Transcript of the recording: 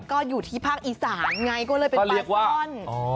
ก็อยู่ที่ภาคอีสานไงก็เลยเป็นปลาก้อน